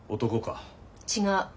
違う。